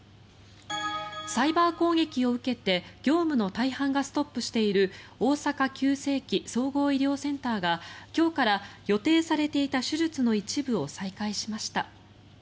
サイバー攻撃を受けて業務の大半がストップしている大阪急性期・総合医療センターが今日から、予定されていた手術の一部を再開しました。